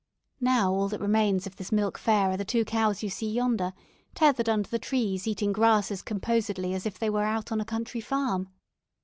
Now all that remains of this 'Milk Fair' are the two cows you see yonder, tethered under the trees eating grass as composedly as if they were out on a country farm.